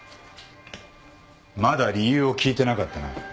まだ理由を聞いてなかったな。